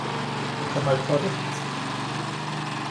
Jeg kommer i potte